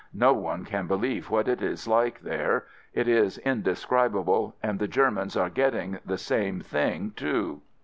No one can believe what it is like there; it is indescribable, and the Ger mans are getting the same thing too.